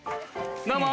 どうも。